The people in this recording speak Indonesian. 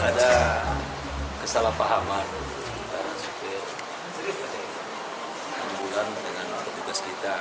ada kesalahpahaman dari sopir ambulans dengan petugas kita